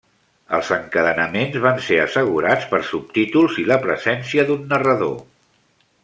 Els encadenaments van ser assegurats per subtítols i la presència d'un narrador.